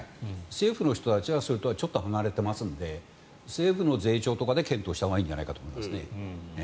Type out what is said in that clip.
政府の人たちは、それとはちょっと離れていますので政府の税調とかで検討したほうがいいんじゃないかと思いますね。